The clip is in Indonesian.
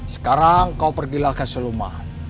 sekarang kau pergilah ke selumah